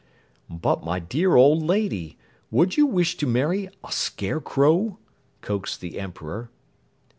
"But my dear old Lady, would you wish to marry a Scarecrow?" coaxed the Emperor.